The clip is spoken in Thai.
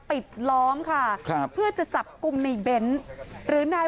ปิดล้อมค่ะครับเพื่อจะจับกลุ่มในเบ้นหรือนาย